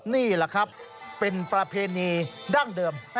นี่แหละครับเป็นประเพณีดั้งเดิม